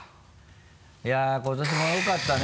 いや今年もよかったね